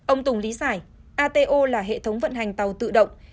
ông tùng lý giải ato là hệ thống vận hành tàu tự động